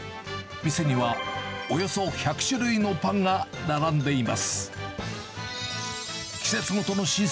店にはおよそ１００種類のパンが並んでいます。